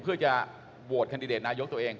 เพื่อจะโหวตแคนดิเดตนายกตัวเอง